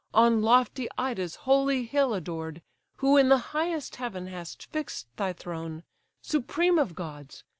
On lofty Ida's holy hill adored: Who in the highest heaven hast fix'd thy throne, Supreme of gods!